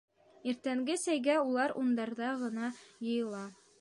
...Иртәнге сәйгә улар ундарҙа ғына йыйыла.